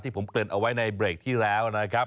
ผมเกริ่นเอาไว้ในเบรกที่แล้วนะครับ